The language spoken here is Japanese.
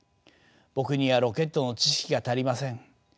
僕にはロケットの知識が足りません。